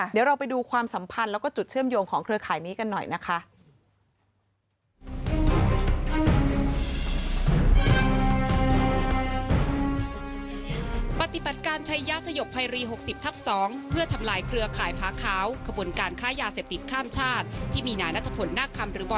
เดี๋ยวเราไปดูความสัมพันธ์แล้วก็จุดเชื่อมโยงของเครือข่ายนี้กันหน่อยนะคะ